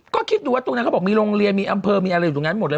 ก็คิดดูว่าตรงนั้นเขาบอกมีโรงเรียนมีอำเภอมีอะไรอยู่ตรงนั้นหมดเลย